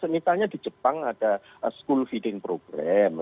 misalnya di jepang ada school feeding program